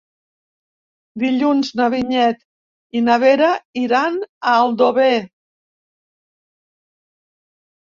Dilluns na Vinyet i na Vera iran a Aldover.